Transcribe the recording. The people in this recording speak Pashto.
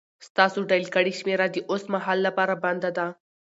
ستاسو ډائل کړې شمېره د اوس مهال لپاره بنده ده